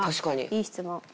いい質問。